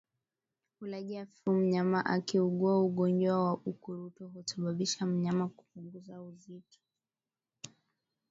Ulaji hafifu mnyama akiugua ugonjwa wa ukurutu husababisa mnyama kupungua uzito